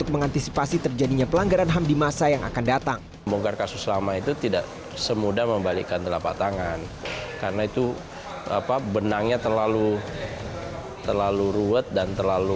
kedua pasangan calon presiden dan wakil presiden